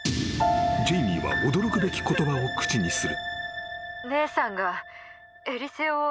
ジェイミーは驚くべき言葉を口にする］